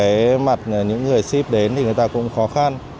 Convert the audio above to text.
cái mặt những người ship đến thì người ta cũng khó khăn